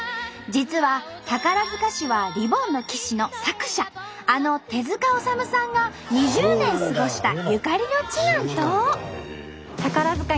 実は宝塚市は「リボンの騎士」の作者あの手治虫さんが２０年過ごしたゆかりの地なんと！